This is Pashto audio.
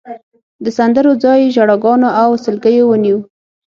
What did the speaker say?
د سندرو ځای ژړاګانو او سلګیو ونیو.